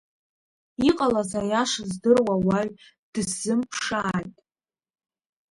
Иҟалаз аиаша здыруа уаҩ дысзымԥшааит.